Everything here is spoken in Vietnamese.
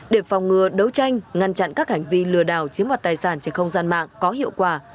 để phòng ngừa đấu tranh ngăn chặn các hành vi lừa đảo chiếm hoạt tài sản trên không gian mạng có hiệu quả